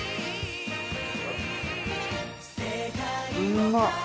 うんまっ！